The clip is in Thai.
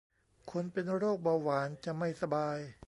คนเป็นโรคเบาหวาน จะไม่สบาย